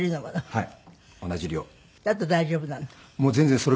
はい。